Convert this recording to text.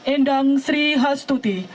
endang sri hastuti